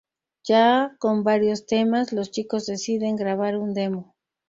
Ya con varios temas, los chicos deciden grabar un demo.